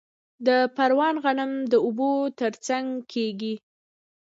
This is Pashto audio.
د پروان غنم د اوبو ترڅنګ کیږي.